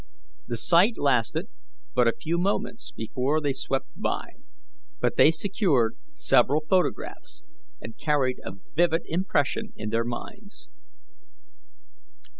The sight lasted but a few moments before they swept by, but they secured several photographs, and carried a vivid impression in their minds.